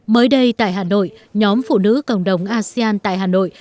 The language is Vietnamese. mới đây tại hà nội nhóm phụ nữ cộng đồng asean tại hà nội